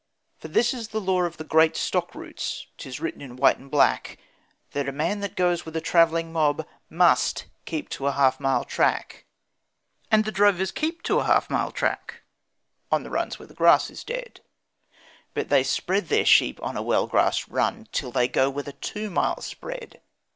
For this is the law of the Great Stock Routes, 'tis written in white and black The man that goes with a travelling mob must keep to a half mile track; And the drovers keep to a half mile track on the runs where the grass is dead, But they spread their sheep on a well grassed run till they go with a two mile spread.